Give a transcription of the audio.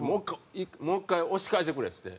「もう１回押し返してくれ」っつって。